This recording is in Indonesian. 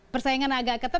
persaingan agak ketat